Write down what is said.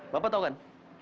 bapak tau kan